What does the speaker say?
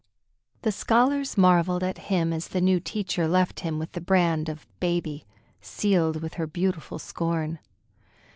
The scholars marvelled at him as the new teacher left him with the brand of baby, sealed with her beautiful scorn.